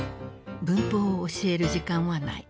文法を教える時間はない。